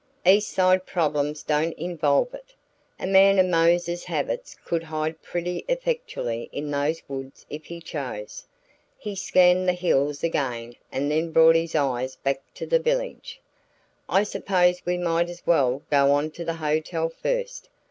"East Side problems don't involve it. A man of Mose's habits could hide pretty effectually in those woods if he chose." He scanned the hills again and then brought his eyes back to the village. "I suppose we might as well go on to the hotel first.